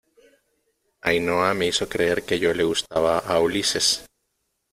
Ainhoa, me hizo creer que yo le gustaba a Ulises.